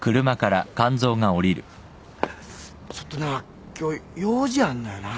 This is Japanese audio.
ちょっとな今日用事あんのやな。